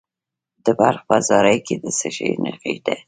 د بلخ په زاري کې د څه شي نښې دي؟